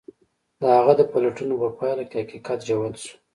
د هغه د پلټنو په پايله کې حقيقت جوت شو.